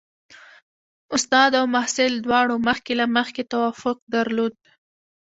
استاد او محصل دواړو مخکې له مخکې توافق درلود.